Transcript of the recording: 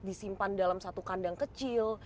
disimpan dalam satu kandang kecil